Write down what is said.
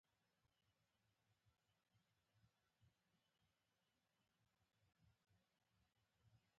یو وخت مې پام شو چې ژر ژر.